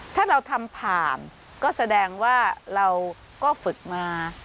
ถ้าเราทำผ่านก็แสดงว่าเราก็ฝึกมา